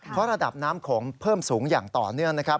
เพราะระดับน้ำโขงเพิ่มสูงอย่างต่อเนื่องนะครับ